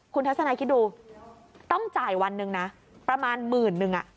คุณทัศนายคิดดูต้องจ่ายวันหนึ่งนะประมาณหมื่นนึง